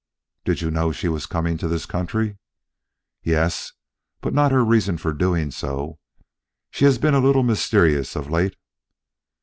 "Did you know she was coming to this country?" "Yes but not her reasons for doing so. She has been a little mysterious of late."